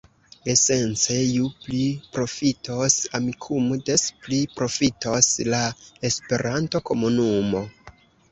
Esence, ju pli profitos Amikumu, des pli profitos la Esperanto-komunumo.